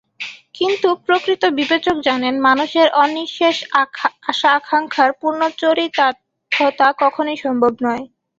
কিন্তু প্রকৃত বিবেচক জানেন, মানুষের অনিঃশেষ আশা-আকাঙ্ক্ষার পূর্ণ চরিতার্থতা কখনোই সম্ভব নয়।